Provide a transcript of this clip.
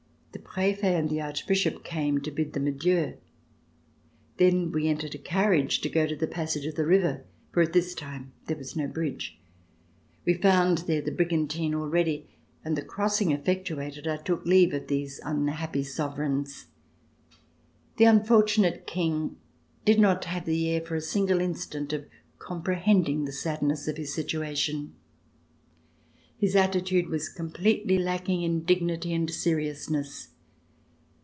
The Prefet and the Archbishop came to bid them adieu. Then we entered a carriage to go to the passage of the river, for at this time there was no bridge. We found there the brigantine all ready, and, the crossing efi^ectuated, I took leave of these unhappy sovereigns. The unfortunate King did not have the air for a single Instant of comprehending the sadness of his situation. His attitude was completely lacking In dignity and seriousness.